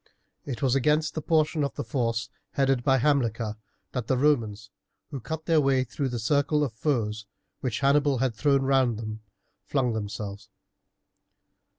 It was against the portion of the force headed by Hamilcar that the Romans, who cut their way through the circle of foes which Hannibal had thrown round them, flung themselves.